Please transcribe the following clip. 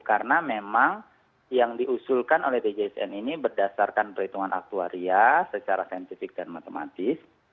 karena memang yang diusulkan oleh djsn ini berdasarkan perhitungan aktuaria secara saintifik dan matematis